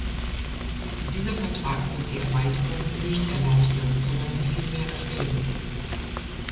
Dieser Vertrag wird die Erweiterung nicht erleichtern, sondern sie vielmehr erschweren.